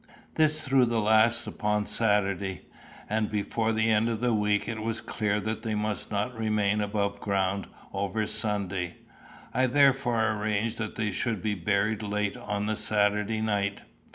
This threw the last upon Saturday, and before the end of the week it was clear that they must not remain above ground over Sunday. I therefore arranged that they should be buried late on the Saturday night.